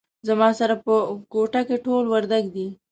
زما سره په کوټه کې ټول وردګ دي